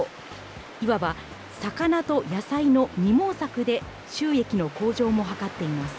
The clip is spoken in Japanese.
いわば魚と野菜の二毛作で収益の向上も図っています。